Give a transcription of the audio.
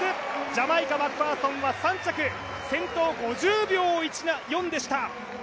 ジャマイカマクファーソンは３着、先頭５０秒４でした。